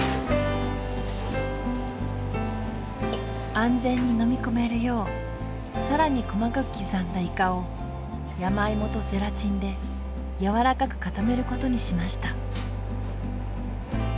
安全に飲み込めるよう更に細かく刻んだイカを山芋とゼラチンでやわらかく固めることにしました。